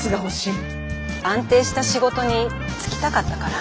安定した仕事に就きたかったから。